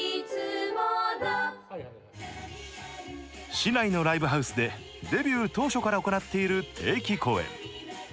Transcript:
市内のライブハウスでデビュー当初から行っている定期公演。